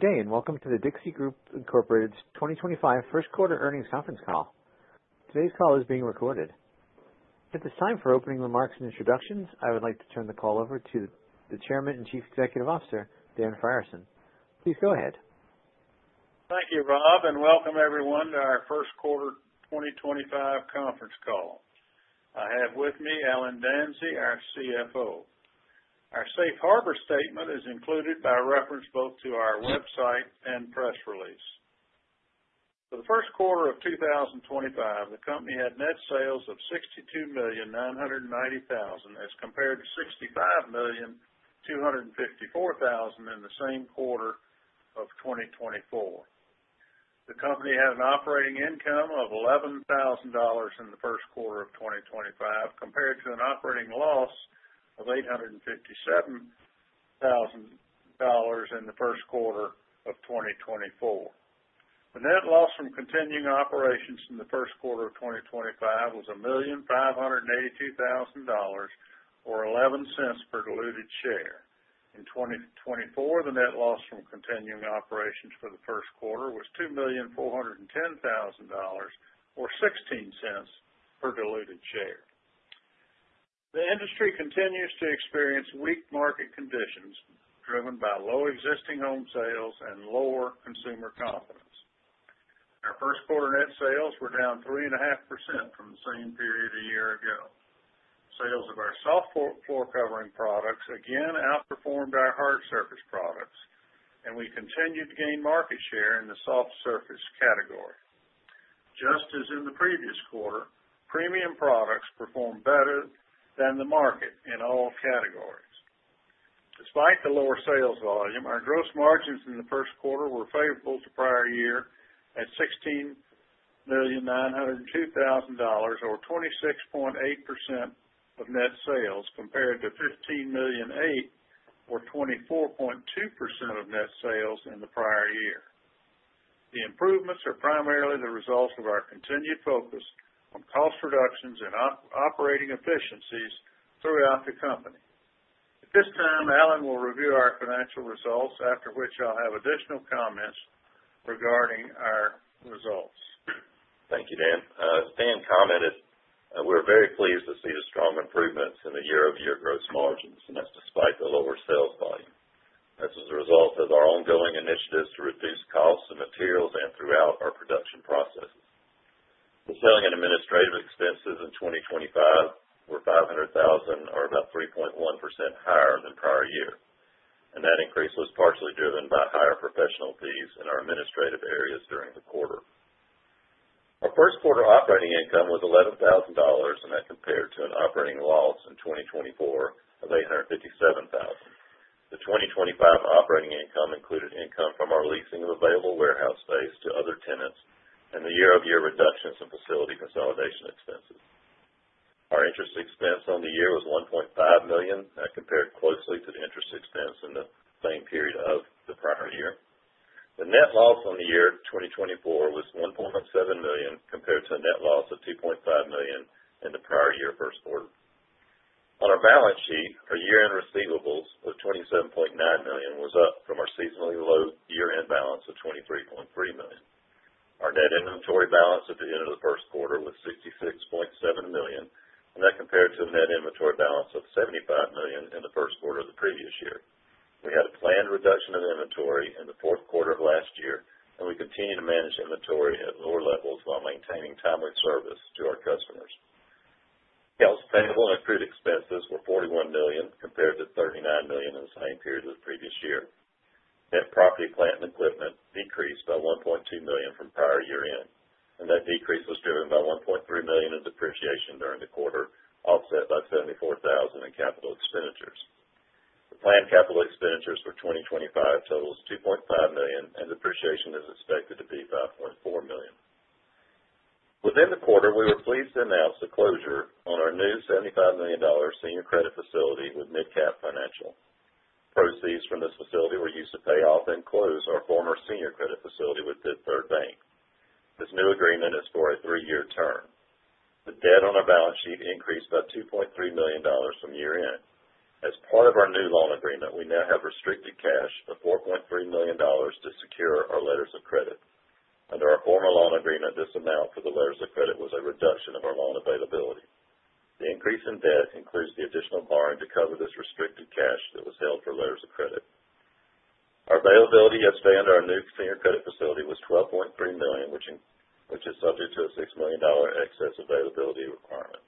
Good day and welcome to the Dixie Group Incorporated's 2025 First Quarter Earnings Conference Call. Today's call is being recorded. At this time, for opening remarks and introductions, I would like to turn the call over to the Chairman and Chief Executive Officer, Dan Frierson. Please go ahead. Thank you, Rob, and welcome everyone to our First Quarter 2025 Conference Call. I have with me Allen Danzey, our CFO. Our safe harbor statement is included by reference both to our website and press release. For the first quarter of 2025, the company had net sales of $62.99 million as compared to $65.254 million in the same quarter of 2024. The company had an operating income of $11,000 in the first quarter of 2025 compared to an operating loss of $0.857million in the first quarter of 2024. The net loss from continuing operations in the first quarter of 2025 was $1.582 million or $0.11 per diluted share. In 2024, the net loss from continuing operations for the first quarter was $2.410 million or $0.16 per diluted share. The industry continues to experience weak market conditions driven by low existing home sales and lower consumer confidence. Our first quarter net sales were down 3.5% from the same period a year ago. Sales of our soft floor covering products again outperformed our hard surface products, and we continued to gain market share in the soft surface category. Just as in the previous quarter, premium products performed better than the market in all categories. Despite the lower sales volume, our gross margins in the first quarter were favorable to prior year at $16.902 million or 26.8% of net sales compared to $15.008 or 24.2% of net sales in the prior year. The improvements are primarily the result of our continued focus on cost reductions and operating efficiencies throughout the company. At this time, Allen will review our financial results, after which I'll have additional comments regarding our results. Thank you, Dan. As Dan commented, we're very pleased to see the strong improvements in the year-over-year gross margins, and that's despite the lower sales volume. This is a result of our ongoing initiatives to reduce costs and materials and throughout our production processes. The selling and administrative expenses in 2025 were $0.5 million or about 3.1% higher than prior year, and that increase was partially driven by higher professional fees in our administrative areas during the quarter. Our first quarter operating income was $11,000, and that compared to an operating loss in 2024 of $0.85 million. The 2025 operating income included income from our leasing of available warehouse space to other tenants and the year-over-year reductions in facility consolidation expenses. Our interest expense on the year was $1.5 million. That compared closely to the interest expense in the same period of the prior year. The net loss on the year 2024 was $1.7 million compared to a net loss of $2.5 million in the prior year first quarter. On our balance sheet, our year-end receivables of $27.9 million was up from our seasonally low year-end balance of $23.3 million. Our net inventory balance at the end of the first quarter was $66.7 million, and that compared to a net inventory balance of $75 million in the first quarter of the previous year. We had a planned reduction of inventory in the fourth quarter of last year, and we continue to manage inventory at lower levels while maintaining timely service to our customers. Cost payable and accrued expenses were $41 million compared to $39 million in the same period of the previous year. Net property plant and equipment decreased by $1.2 million from prior year-end, and that decrease was driven by $1.3 million in depreciation during the quarter, offset by $74,000 in capital expenditures. The planned capital expenditures for 2025 total $2.5 million, and depreciation is expected to be $5.4 million. Within the quarter, we were pleased to announce the closure on our new $75 million senior credit facility with MidCap Financial. Proceeds from this facility were used to pay off and close our former senior credit facility with Fifth Third Bank. This new agreement is for a three-year term. The debt on our balance sheet increased by $2.3 million from year-end. As part of our new loan agreement, we now have restricted cash of $4.3 million to secure our letters of credit. Under our former loan agreement, this amount for the letters of credit was a reduction of our loan availability. The increase in debt includes the additional borrowing to cover this restricted cash that was held for letters of credit. Our availability at standard our new senior credit facility was $12.3 million, which is subject to a $6 million excess availability requirement.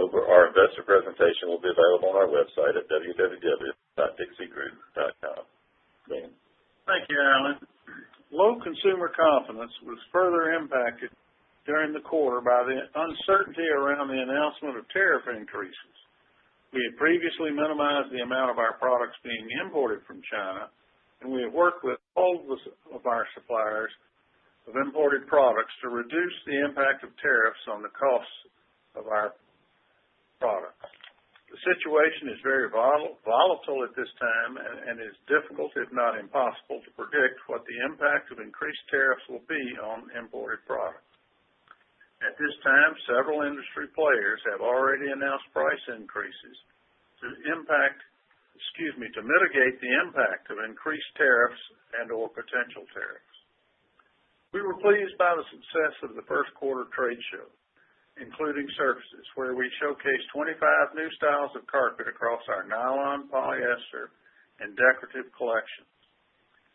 Our investor presentation will be available on our website at www.dixiegroup.com. Thank you, Allen. Low consumer confidence was further impacted during the quarter by the uncertainty around the announcement of tariff increases. We had previously minimized the amount of our products being imported from China, and we have worked with all of our suppliers of imported products to reduce the impact of tariffs on the costs of our products. The situation is very volatile at this time and is difficult, if not impossible, to predict what the impact of increased tariffs will be on imported products. At this time, several industry players have already announced price increases to mitigate the impact of increased tariffs and/or potential tariffs. We were pleased by the success of the first quarter trade show, including services, where we showcased 25 new styles of carpet across our nylon, polyester, and decorative collections.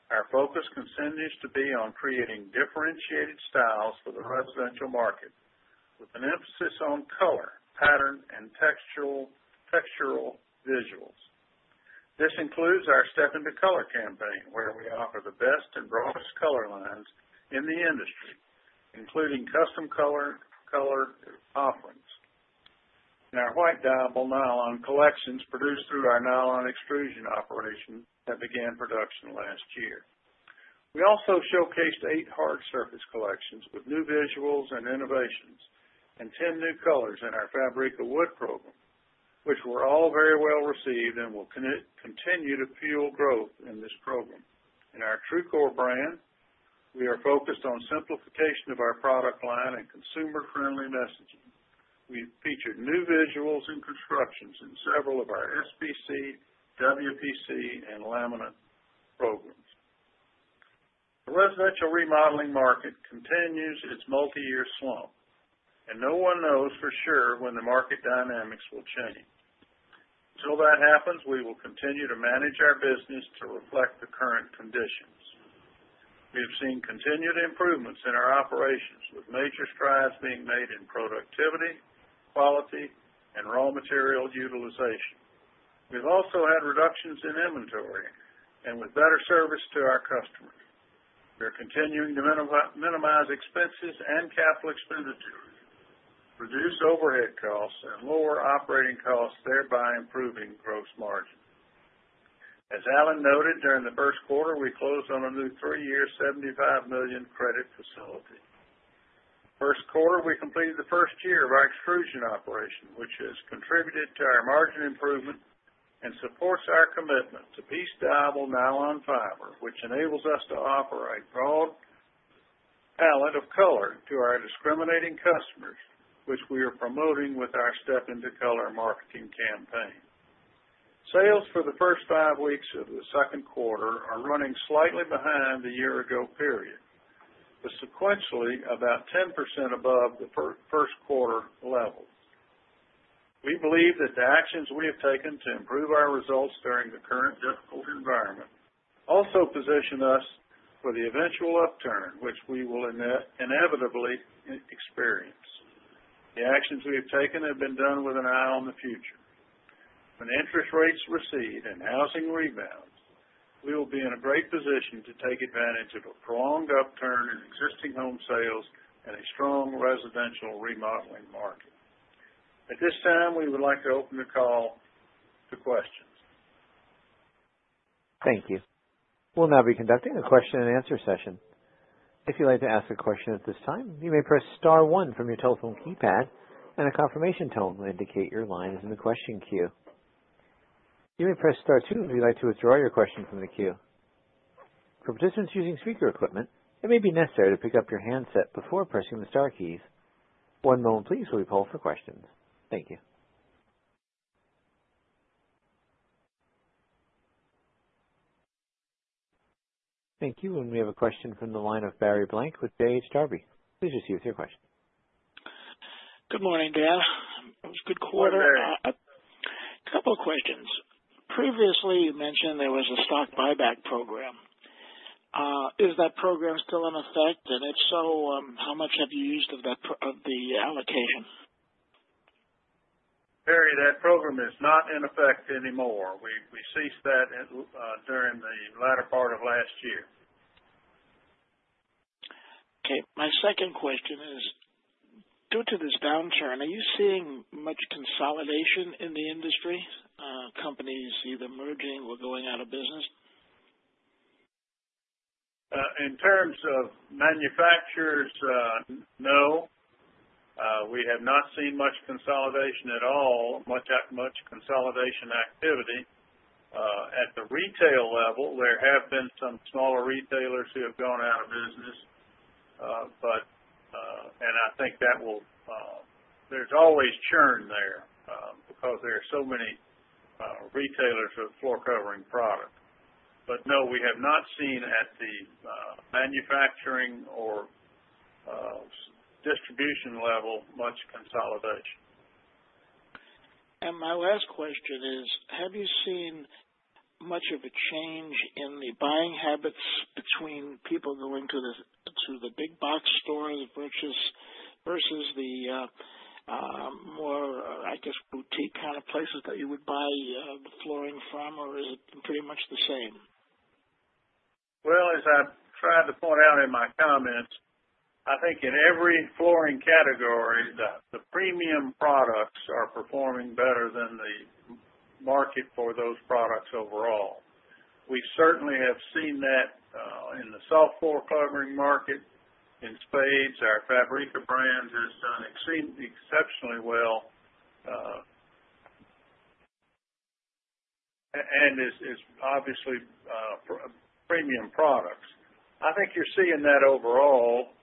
Our focus continues to be on creating differentiated styles for the residential market, with an emphasis on color, pattern, and textural visuals. This includes our Step Into Color campaign, where we offer the best and broadest color lines in the industry, including custom color offerings. In our white dyeable nylon collections produced through our nylon extrusion operation that began production last year, we also showcased eight hard surface collections with new visuals and innovations and 10 new colors in our Fabric of Wood program, which were all very well received and will continue to fuel growth in this program. In our true core brand, we are focused on simplification of our product line and consumer-friendly messaging. We featured new visuals and constructions in several of our SPC, WPC, and laminate programs. The residential remodeling market continues its multi-year slump, and no one knows for sure when the market dynamics will change. Until that happens, we will continue to manage our business to reflect the current conditions. We have seen continued improvements in our operations, with major strides being made in productivity, quality, and raw material utilization. We've also had reductions in inventory and with better service to our customers. We are continuing to minimize expenses and capital expenditures, reduce overhead costs, and lower operating costs, thereby improving gross margins. As Allen noted, during the first quarter, we closed on a new three-year $75 million credit facility. First quarter, we completed the first year of our extrusion operation, which has contributed to our margin improvement and supports our commitment to piece-dyeable nylon fiber, which enables us to offer a broad palette of color to our discriminating customers, which we are promoting with our Step Into Color marketing campaign. Sales for the first five weeks of the second quarter are running slightly behind the year-ago period, but sequentially about 10% above the first quarter levels. We believe that the actions we have taken to improve our results during the current difficult environment also position us for the eventual upturn, which we will inevitably experience. The actions we have taken have been done with an eye on the future. When interest rates recede and housing rebounds, we will be in a great position to take advantage of a prolonged upturn in existing home sales and a strong residential remodeling market. At this time, we would like to open the call to questions. Thank you. We'll now be conducting a question-and-answer session. If you'd like to ask a question at this time, you may press Star one from your telephone keypad, and a confirmation tone will indicate your line is in the question queue. You may press Star two if you'd like to withdraw your question from the queue. For participants using speaker equipment, it may be necessary to pick up your handset before pressing the Star keys. One moment, please, while we pull for questions. Thank you. Thank you. We have a question from the line of Barry Blank with JH Darbie. Please proceed with your question. Good morning, Dan. It was a good quarter. Oh, Barry. A couple of questions. Previously, you mentioned there was a stock buyback program. Is that program still in effect? If so, how much have you used of the allocation? Barry, that program is not in effect anymore. We ceased that during the latter part of last year. Okay. My second question is, due to this downturn, are you seeing much consolidation in the industry? Companies either merging or going out of business? In terms of manufacturers, no. We have not seen much consolidation at all, much consolidation activity. At the retail level, there have been some smaller retailers who have gone out of business, and I think that will—there's always churn there because there are so many retailers of floor covering product. No, we have not seen at the manufacturing or distribution level much consolidation. My last question is, have you seen much of a change in the buying habits between people going to the big box stores versus the more, I guess, boutique kind of places that you would buy the flooring from, or is it pretty much the same? As I tried to point out in my comments, I think in every flooring category, the premium products are performing better than the market for those products overall. We certainly have seen that in the soft floor covering market in spades. Our Fabric of Brands has done exceptionally well and is obviously premium products. I think you're seeing that overall,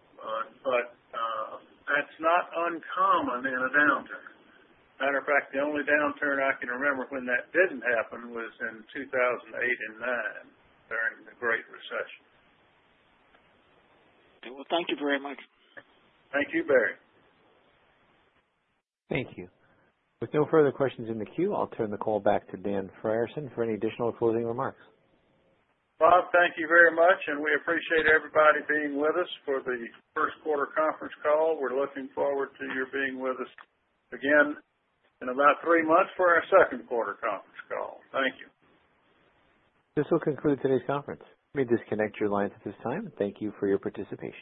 but that's not uncommon in a downturn. Matter of fact, the only downturn I can remember when that did not happen was in 2008 and 2009 during the Great Recession. Okay. Thank you very much. Thank you, Barry. Thank you. With no further questions in the queue, I'll turn the call back to Dan Frierson for any additional closing remarks. Bob, thank you very much, and we appreciate everybody being with us for the first quarter conference call. We're looking forward to your being with us again in about three months for our second quarter conference call. Thank you. This will conclude today's conference. We disconnect your lines at this time, and thank you for your participation.